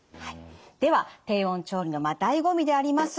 では低温調理のだいご味であります